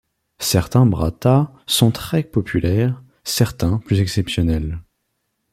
Certains brata sont très populaires, certains plus exceptionnels.